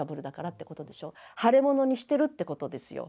腫れ物にしてるってことですよ。